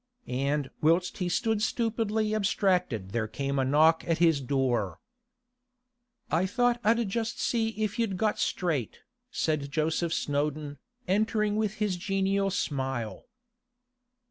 And whilst he stood stupidly abstracted there came a knock at his door. 'I thought I'd just see if you'd got straight,' said Joseph Snowdon, entering with his genial smile.